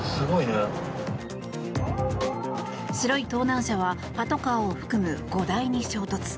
白い盗難車はパトカーを含む５台に衝突。